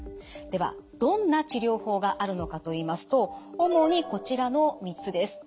ではどんな治療法があるのかといいますと主にこちらの３つです。